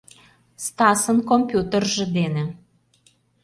Стасын компьютерже дене.